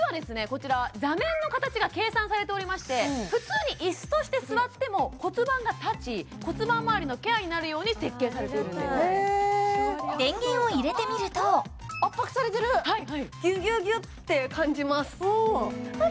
こちら座面の形が計算されておりまして普通にイスとして座っても骨盤が立ち骨盤周りのケアになるように設計されているんです電源を入れてみると圧迫されてるギュギュギュッて感じます